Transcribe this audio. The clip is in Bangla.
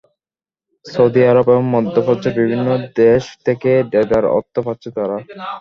সৌদি আরব এবং মধ্যপ্রাচ্যের বিভিন্ন দেশ থেকে দেদার অর্থ পাচ্ছে তারা।